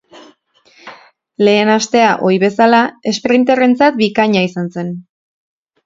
Lehen astea, ohi bezala, esprinterrentzat bikaina izan zen.